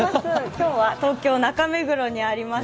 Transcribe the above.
今日は東京・中目黒にあります